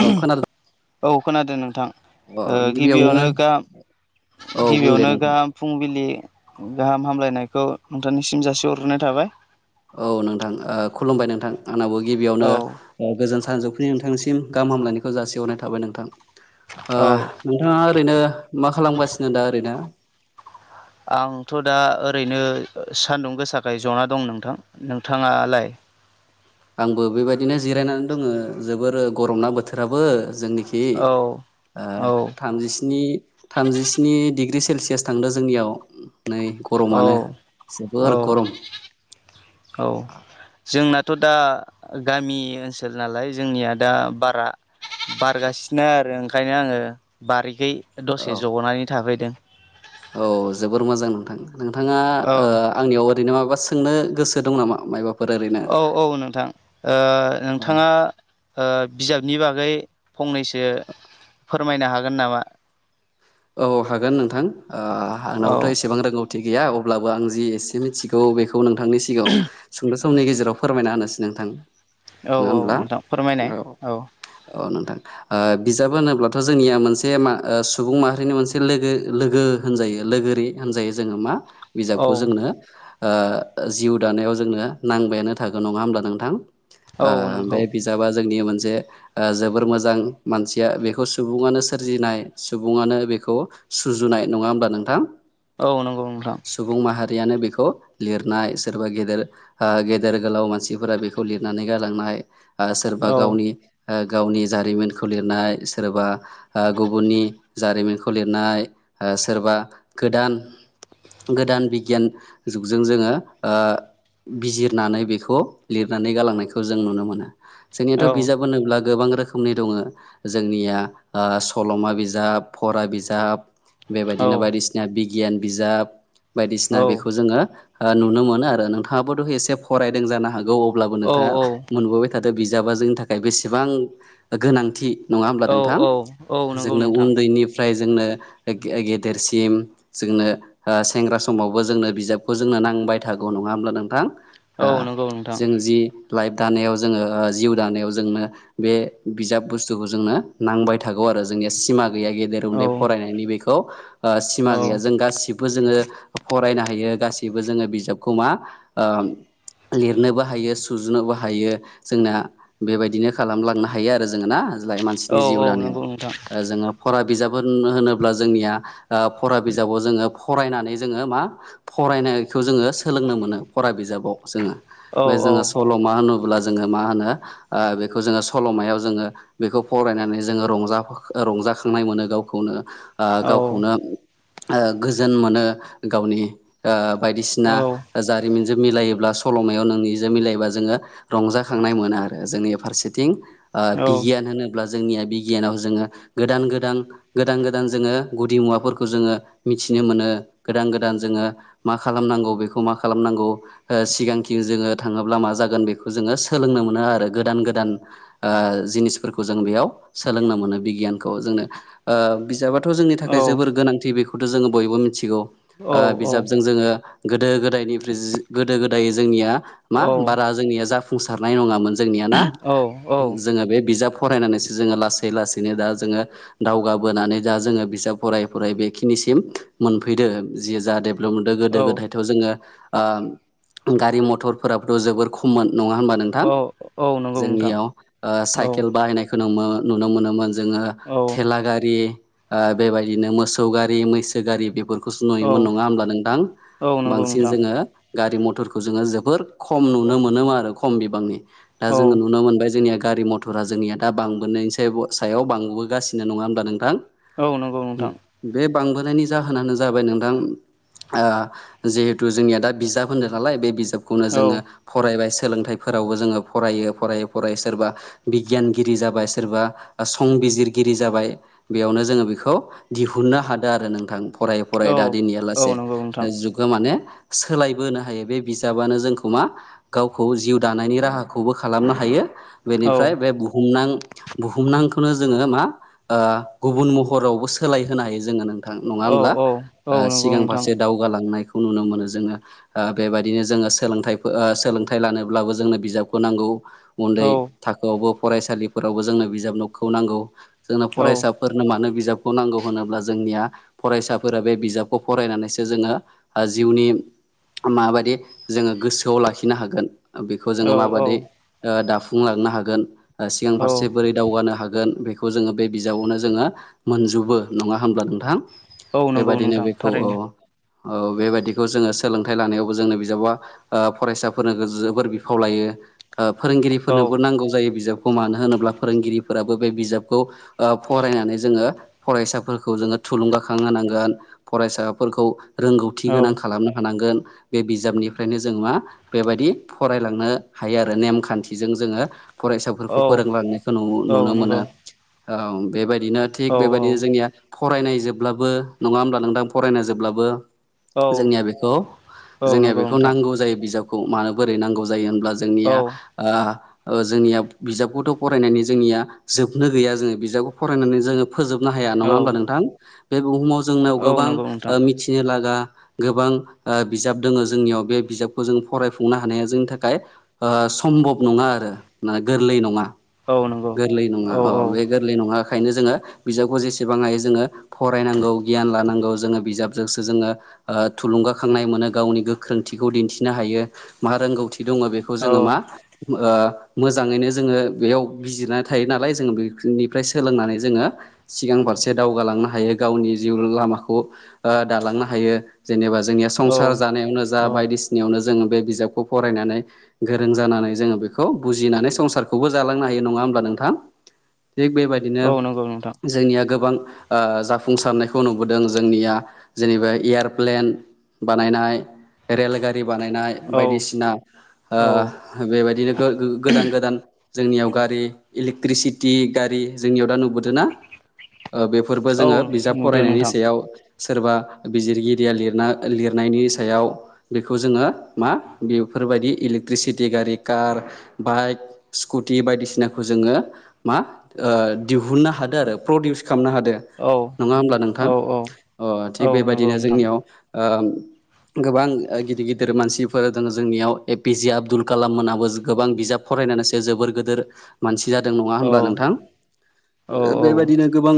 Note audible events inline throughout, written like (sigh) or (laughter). औ खोनादों औ खोनादों नोंथां अ ओ गिबियावनो गा औ बुंदे गिबियावनो गाहाम फुंबिलि गाहाम हामलायनायखौ नोंथांनिसिम जासे हरग्रोनाय थाबाय। औ नोंथां खुलुमबाय नोंथां आंनाबो गिबियावनो औ गोजान सानजौफुनि नोंथांनिसिम गाहाम हामलायनायखौ जासिहरनाय थाबाय नोंथां। औ नोंथाङा ओरैनो मा खालामगासिनो दा ओरैनो आंथ' दा ओरैनो सान्दुं गोसाखाय जना दं नोंथां। नोंथाङा लाय आंबो बेबायदिनो जिरायनानै दङ जोबोर गरम ना बोथोराबो जोंनिखि औ बि औ थामजिस्नि थामजिस्नि डिग्र्रि सेलसियास थांदों जोंनियाव नै औ गरमानो औ जोबोर गरम' औ! जोंनाथ' दा गामि ओनसोल नालाय जोंनिया दा बारा बारगासिनो आरो ओंखायनो आङो बारिखै औ दसे जग'नानै थाफैदों। औ जोबोर मोजां नोंथां नोंथाङा ओ औ आंनियाव ओरैनो माबा सोंनो गोसो दं नामा मायबा औ औ नोंथां। ओ नोंथाङाओ बिजाबनि बागै फंनैसो फोरमायनो हागोन नामा? औ हागोन नोंथां औ आंनावथ' एसेबां रोंगौथि गैया अब्लाबो आं जि एसे मिथिगौ बेखौ नोंथांनि सिगाङाव सुंद' समनि गेजेराव फोरमायना होनोसै नोंथां औ नङा औ होमब्ला नोंथां फोरमायनाय औ। औ नोंथां बिजाब होनोब्लाथ' जोंनिया मोनसे म सुबुं माहारि मोनसे लोगो लोगो होनजायो लोगोरि होनजायो जोङो मा? औ बिजाबखौ जोंनो जिउ दानायाव जोंनो नांबायानो थागोन नङा होमब्ला नोंथां औ नंगौ बिजाबा जोंनि मोनसे जोबोर मोजां मानसिया बेखौ सुबुङानो सोरजिनाय सुबुङानो बेखौ सुजुनाय नङा होमब्ला नोंथां? औ नंगौ नोंथां। सुबुं माहारियानो बेखौ लिरनाय सोरबा गेदेर गेदेर गोलाव मानसिफोरा बेखौ लिरनानै गालांनाय सोरबा औ गावनि गावनि जारिमिनखौ लिरनाय सोरबा गुबुननि जारिमिनखौ लिरनाय सोरबा गोदान गोदान बिगियान जुगजों जोङो बिजिरनानै बेखौ लिरनानै गालांनायखौ जों नुनो मोनो औ जोंनियाथ' बिजाब होनब्ला गोबां रोखोमनि दङ जोंनिया सल'मा बिजाब फरा बिजाब बिज औ बेबायदिनो बायदिसिना बिगियान बिजाब बायदिसिना औ बेखौ जोङो नुनो मोनो आरो नोंथाङाबोथ' एसे फरायदों जानो हागौ अब्लाबो औ नोंथाङा मोनबोबाय बिजाबा जोंनि थाखाय बेसेबां गोनांथि नङा होमब्ला औ नोंथां औ औ नंगौ जोंनो नोंथां उन्दैनिफ्राय जोंनो गेदेरसिम जोंनो सेंग्रा समावबो जोंनो बिजाबखौ जोंनो नांबाय थागौ नङा होमब्ला नोंथां औ नंगौ नोंथां जों जि लाइफ दानायाव जोङो जिउ दानायाव जोंनो बे बिजाब बुस्थुखौ जोंनो नांबाय थागौ आरो जोंनि सिमा गैया गेदेर औ उन्दै फरायनायनि बेखौ औ सिमा गैया जों गासिबो बो जोङो फरायनो हायो गासैबो जोङो बिजाबखौ मा ओ लिरनोबो हायो सुजुनोबो हायो जोंना बेबायदिनो खालामलांनो हायो आरो जोङो ना जाय औ मानसिनि जिउ औ नंगौ नोंथां दानाया जोङो फरा बिजाब होनोब्ला जोंनिया फरा बिजाबाव जोङो फरायनानै जोङो मा फरायनायखौ जोङो सोलोंनो मोनो फरा बिजाबाव जोङो औ बे औ जोङो फल' मा होनोब्ला जोङो मा होनो बेखौ जोङो सल'मायाव जोङो बेखौ फरायनानै जोङो रंजा रंजाखांनाय मोनो गाव खौनो औ गावखौनो गोजोन मोनो गावनि बायदिसिना औ जारिमिनजों मिलायोब्ला सल'मायाव नोंनिजों मिलायोबा जोङो रंजाखांनाय मोना आरो जोंनि फारसेथिं औ बिगियान होनोब्ला जोंनिया बिगियानाव जोङो गोदान गोदान गोदान गोदान जोङो गुदि मुवाफोरखौ जोङो मिथिनो मोनो गोदान गोदान जोङो मा खालामनांगौ बेखौ मा खालामनांगौ। सिगांखि जोङो थाङोब्ला मा जागोन बेखौ जोङो सोलोंनो मोनो आरो गोदान गोदान। जिनिसफोरखौ जों बेयाव सोलोंनो मोनो बिगियानखौ जोंनो। बिजाबाथ' जोंनि थाखाय जोबोर गोनांथि बेखौथ' जोङो बयबो मिथिगौ। बिजाबजों जोङो गोदो गोदायनिफ्राय गोदो गोदाय जोंनिया मा बारा जोंनिया जाफुंसारनाय नङामोन जोंनिया ना औ जोङो बे बिजाब फरायनानैसो जोङो लासै लासैनो दा जोङो दावगाबोनानै जा जोङो बिजाब फराय फराय बेखिनिसिम मोनफैदो जि जाहाथे मोनदों गोदो गोदाय औ जोङो गारि मथराबोथ' जोबोर खममोन नङा होनबा नों दा औ औ नंगौ नोंथां जोंनियाव औ साइकेल बाहायनायखौ नुनो मोनोमोन जोङो औ लागारि बेबायदिनो मोसौ गारि मैसो गारि बेफोर खौसो औ नुयोमोन नङा होमब्ला नोंथां औ नंगौ बांसिन नोंथां जोङो गारि मथरखौ जोङो जोबोर खम नुनो मोनोमोन आरो खम बिबांनि दा जोङो औ नुना मोनबाय जोंनिया गारि मथर थुरा जोंनिया दा बांबोनायनि सायाव बांबोगासिनो नङा होमब्ला नोंथां। औ नंगौ नोंथां। बे बांबोनायनि जाहोनानो जाबाय नोंथां जिहेथु जोंनिया दा बिजाब होन्दों नालाय बे बिजाबखौनो औ जोङो फरायबाय सोलोंथाइफोरावबो जोङो फरायो फरायै फरायै सोरबा बिगियानगिरि जाबाय सोरबा संबिजिर गिरि जाबाय बेयावनो जोङो बेखौ दिहुननो हादों आरो नोंथां फराय फराय दा औ दिननिया लासे औ नंगौ नोंथां जुगा माने सोलायबोनो हायो बे बिजाबानो जोंखौ मा गावखौ जिउ दानायनि राहाखौबो खालामनो हायो। औ बेनिफ्राय बे बुहुमनां बुहुमनांखौनो जोङो मा गुबुन महरावबो सोलाय होनो हायो जोङो नों नङा औ होनब्ला औ औ नंगौ सिगां नोंथां फारसे दावगालांनायखौ नुनो मोनो जोङो। बेबायदिनो जोङो सोलोंथाइ सोलोंथाइ लानोब्लाबो जोंनो बिजाबखौ नांगौ। उन्दै औ थाखोआवबो फरायसालिफोरावबो जोंनो बिजाबनोखौ नांगौ जोंनो औ फरायसा फोरनो मानो बिजाबखौ नांगौ होनोब्ला जोंनिया फरायसाफोरा बे बिजाबखौ फरायनानैसो जोङो जिउनि माबायि जोङो गोसोआव लाखिनो हागोन। बेखौ औ जोङो माबायदि दाफुंलांनो हागोन सिगां फारसे औ बोरै दावगानो हागोन बेखौ जोङो बे बिजाबावनो जोङो मोनजोबो नङा होब्ला नोंथां। औ नंगौ बेबायदिनो नोंथां बेखौ औ थारैनो औ बेबायदिखौ जोङो सोलोंथाइ लानायावबो जोंनो बिजाबा फरायसाफोरनो जोबोर बिफाव लायो। फोरोंगिरिफोरनोबो औ नांगौ जायो बिजाबखौ मानो होनोब्ला फोरोंगिरिफोराबो बे बिजाबखौ खौ फरायनानै जोङो फरायसाफोरखौ जोङो थुलुंगाखां होनांगोन। फरायसाफोरखौ रोंगौथि गोनां औ खालामनो हानांगोन। बे बिजाबनिफ्रायनो जों मा बेबायदि फरायलांनो हायो आरो नेमखान्थिजों जोङो औ फरायसाफोरखौ फोरोंलांनायखौ औ नुनो मोनो नंगौ औ बेबायदिनो औ थिग औ बेबायदिनो जोंनिया फरायनाय जोबब्लाबो नङा होमब्ला नोंथां फरायना जोब्लाबो औ जोंनिया बेखौ औ जोंनिया नंगौ बेखौ नोंथां नांगौ जायो बिजाबखौ मानो बोरै नांगौ जायो होनब्ला जों जोंनिया औ ओ ओ जोंनिया बिजाबखौथ' फरानायनि जोंनिया जोबनो गैया। जों बिजाबखौ फरायनानै जोङो फोजोबनो हाया नङा औ होनोमब्ला नोंथां। बे बुहुमाव जोंनाव औ गोबां नंगौ नोंथां मिथिनो लागा गोबां ओ बिजाब दङ जोंनियाव बे बिजाबखौ जों फरायफुंनो हानाया जोंनि थाखाय। ओ सम्बक नङा आरो गोरलै नङा औ नंगौ गोरलै नङा औ अ' औ बे गोरलै नङा ओखायनो जोङो बिजाबखौ जेसेबां हायो जोङो फरायनांगौ गियान लानांगौ जोङो बिजाबजोंसो जोङो ओ थुलुंगाखांनाय मोनो गावनि गोख्रोंथिखौ दिन्थिनो हायो मा रोंगौथि दङ बेखौ औ जोङो मा मोजाङैनो जोङो बेयाव बिजिरनानै थायो नालाय जोङो बेनिफ्राय सोलोंनानै जोङो सिगां फारसे दावगालांनो हायो गावनि जिउ लामाखौ ओ दालांनो हायो जेनेबा जोंनिया औ संसार जानायावनो जा औ बायदिसिना नियावनो जोङो बे बिजाबखौ फरायनानै गोरों जानानै जोङो बेखौ बुजिनानै संसारखौबो जालांनो हायो नङा होमब्ला नोंथां थिग बेबायदिनो औ नंगौ नोंथां जोंनिया गोबां ओ जाफुंसारनायखौ नुबोदों जोंनिया जेनेबा एयारप्लेन बानायनाय रेलगारि बानायनाय औ बायदिसिना ओ औ बेबायदिनो गोदान गोदान जोंनियाव गारि इलेक्ट्रिसिटि गारि जोंनियाव दा नुबोदों ना ओ बेफोरबो औ जोङो बिजाब नुदों फरायनायनि नोंथां सायाव सोरबा बिजिरगिरिया लिरना लिरनायनि सायाव बेखौ जोङो मा बेफोरबायदि इलेक्ट्रिसिटि गारि कार बाइक स्कुटि बायदिसिनाखौ जोङो मा ओ दिहुननो हादों आरो प्रडिउस खालामनो हादों औ नङा होमब्ला औ नोंथां अ' औ थिग नंगौ बेबायदिनो नोंथां जोंनियाव‍ ओम गोबां गिदिर गिदिर मानसिफोर दङ जोंनियाव एपिजे आबदुल कालाम मोनाबो गोबां बिजाब फरायसो जोबोर गोदोर मानसि जादों नङा औ होनब्ला नोंथां औ औ बेबायदिनो गोबां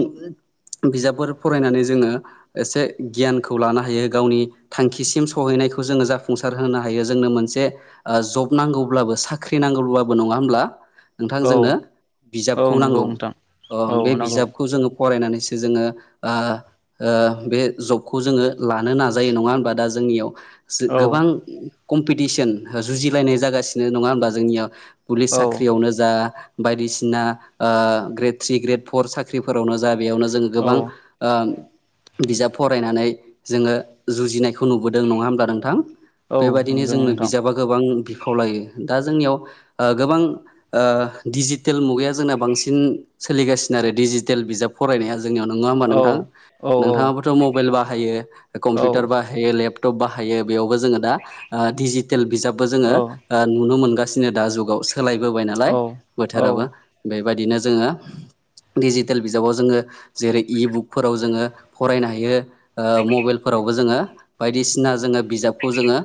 बिजाबफोर फरायनानै जोङो एसे गियानखौ लानो हायो गावनि थांखिसिम सहैनायखौ जोङो जाफुंसार होनो हायो जोंनो मोनसे ओ जब नांगौब्लाबो साख्रि नांगौब्लाबो नङा होमब्ला औ नोंथांजोंनो औ बिजाबखौ नंगौ नांगौ नोंथां ओ औ बे नंगौ बिजाबखौ जोङो फरायनानैसो जोङो ओ ओ बे जबखौ जोङो लानो नाजायो नङा होमबा दा जोंनियाव औ गोबां कम्पिटिसन जुजिलायनाय जागासिनो नङा होनोमब्ला जोंनियाव पुलिस औ साख्रियावनो जा बायदिसिना O grade three grade four साख्रि ख्रिफोरावनो जा बेयावनो जोङो औ गोबां बिजाब फरायनानै जोङो जुजिनायखौ नुबोदों नङा होमब्ला नोंथां बेबायदिनो नंगौ जोंनो नोंथां बिजाबा गोबां बिफाव लायो दा जोंनियाव गोबां ओ दिजि दिडिजिटेल मुगाया जोंना बांसिन सोलिगासिनो आरो डिजिटेल बिजाब फरायनाया। जोंनियाव नङा होमबा औ नोंथां औ नोंथाङाबोथ' मबाइल बाहायो कम्पिउटार बाहायो। लेपटप बाहायो बेयावबो जोङो दा ओ डिजिटेल बिजाबबो जोङो। ओ नुनो मोनगासिनो दा जुगाव सोलायबोबाय नालाय। औ औ बोथोराबो बेबायदिनो जोङो दिडिजिटेल बिजाबाव जोङो जेरै इबुकफोराव जोङो फरायनो हायो। ओ मबाइलफोरावबो जोङो बायदिसिना जोङो बिजाबखौ जोङो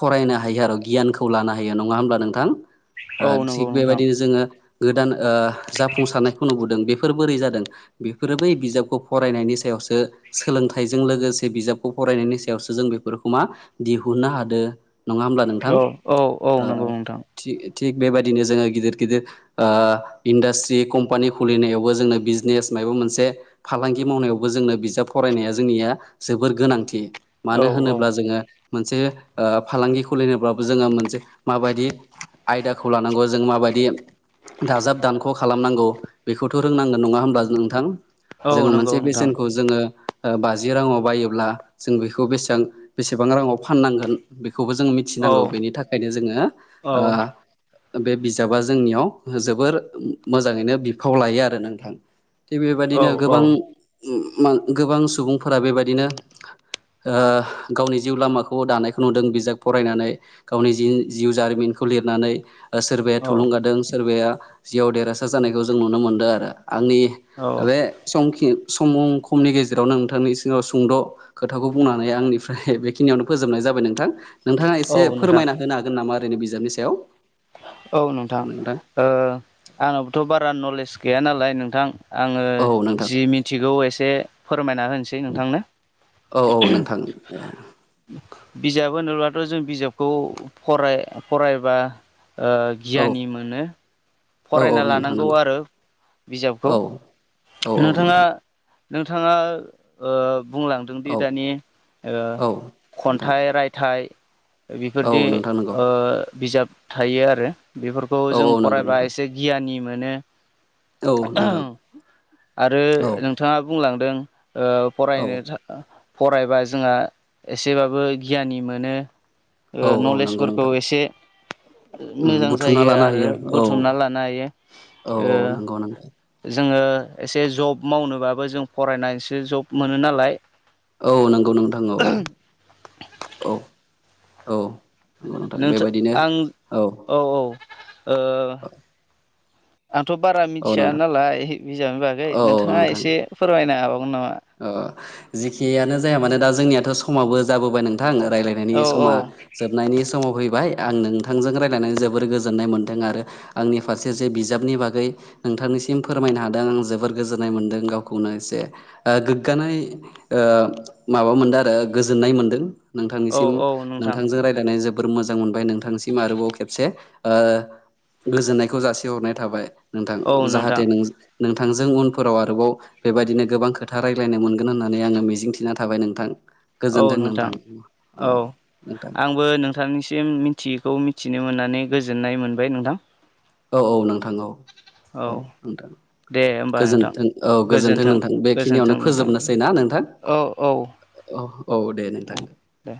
फरायनो हायो आरो गियानखौ लानो हायो नङा होमब्ला नोंथां। औ ओ नंगौ थिग नोंथां बेबायदिनो जोङो गोदान ओ जाफुंसारनायखौ नुबोदों। बेफोर बोरै जादों बेफोरो बै बिजाबखौ फरायनायनि सायावसो सोलोंथाइजों लोगोसे बिजाबखौ फरायनायनि सायावसो जों बेफोरखौ मा दिहुननो हादो नङा होमब्ला नोंथां। औ औ औ नंगौ ओ नोंथां औ थि-थिग बेबायदिनो जोङो गिदिर गिदिर ओ इन्डास्ट्रि कम्पानि खुलिनायावबो जोंनो बिजनेस माइबा मोनसे फालांगि मावनायावबो जोंनो बिजाब फरायनाया जोंनिया जोबोर गोनांथि। मानो होनोब्ला जोङो मोनसे ओ फालांगि खुलिनोब्लाबो जोङो मोनसे माबायदि आयदाखौ लानांगौ जों माबायदि दाजाब दानख' खालामनांगौ बेखौथ' रोंनांगोन नङा होमब्ला नोंथां। औ जोङो मोनसे नंगौ नोंथां बेसेनखौ जोङो ओ बाजि राङाव बायोब्ला जों बेखौ बेसां बेसेबां राङाव फाननांगोन बेखौबो जों मि औ मिथिनांगौ बेनि थाखायनो जोङो औ ओ बे बिजाबा जोंनियाव जोबोर मोजाङैनो बिफाव लायो आरो नोंथां थिग औ बेबायदिनो गोबां उम मा गोबां सुबुंफोरा बेबायदिनो ओ गावनि जिउ लामाखौ दानायखौ नुदों बिजाब फरायनानै गावनि जिन जिउ जारिमिनखौ लिरनानै सोरबाया थुलुंगादों सोरबाया जिउआव देरहासार जानायखौ जों नुनो मोनदों आरो आंनि बे समखि समुं खमनि गेजेरावनो नोंथांनि सिगाङाव सुंद' खोथाखौ बुंनानै आंनिफ्राय बेखिनियावनो फोजोबनाय जाबाय नोंथां। नोंथाङा औ एसे नोंथां फोरमायना होनो हागोन नामा ओरैनो बिजाबनि सायाव। औ नोंथां ओ आंनावबोथ' बारा नलेज गैया नालाय नोंथां आङो औ नोंथां जि मिथिगौ एसे फोरमायना होनोसै नोंथांनो औ औ नोंथां ए। बिजाब होनोब्लाथ' जों बिजाबखौ फराय फरायबा ओ औ गियानि मोनो। औ औ फरायना नोंथां लानांगौ नंगौ आरो औ बिजाबखौ औ औ नोंथाङा नोंथां नोंथाङा ओ बुंलां जोंदि औ दानि ओ औ नोंथां खन्थाइ रायथाइ औ बेफोरदि नोंथां नंगौ ओ बिजाब थायो आरो बेफोरखौ औ जों औ नंगौ नोंथां फरायबाय दि गियानि मोनो। औ नोंथां आरो औ नोंथाङा बुंलांदों ओ औ फरायनो था फरायबा जोंहा एसेबाबो गियानि मोनो। औ ओ औ नंगौ नलेजफोरखौ नोंथां एसे उम मोजां बुथुमना जायो लानो हायो आरो औ बुथुमना लानो हायो औ ओ नंगौ नोंथां जोङो एसे जब मावनोबाबो जों फरायनानैसो जब मोनो नालाय औ नंगौ नोंथां औ औ औ। नंगौ नोंथां नोंथ बेबायदिनो आं औ औ ओ (inaudible) आंथ' बारा औ मिथिया नोंथां नालाय बिजाबनि बागै औ औ नोंथाङा नोंथां एसे फोरमायनो हाबावगोन नामा। अ जेखियानो जाया मानोे दा जोंनियाथ' समाबो जाबोबाय नोंथां रायलायनायनि औ औ समा जोबनायनि समाव फैबाय आं नोंथांजों रायलायनानै जोबोर गोजोननाय मोन्दों आरो रैखाथि आंनि फारसे जे बिजाबनि बागै नोंथांनिसिम फोरमायनो हादों जोबोर गोजोननाय मोनदों गावखौनो एसे ओ गोग्गानाय ओ माबा मोनदो आरो गोजोननाय मोनदों औ नोंथांनिसिम औ नोंथां नोंथांजों रायलायनाय जोब बोर मोजां मोनबाय नोंथांसिम आरोबाव खेबसे ओ गोजोननायखौ जासिहरनाय थाबाय। नोंथां औ जाहाथे नोंथां नोंज नोंथांजों उनफोराव आरोबाव बेबायदिनो गोबां खोथ था रायजलायनानो मोनगोन होननानै आङो मिजिं थिना थाबाय नोंथां। गोजोनदों नोंथां अ नोंथां। थांनिसिम मिथियैखौ मिथिनो मोननानै गोजोननाय मोनबाय नोंथां। औ औ नोंथां औ औ नोंथां। दे होमबा नोंथां गोजोनथों औ गोजोनथों गोजोन्थों नोंथां बेखिनियावनो गोजोन्थों नोंथां फोजोबनोसै ना नोंथां औ औ अ अ औ दे औ नोंथां। दे।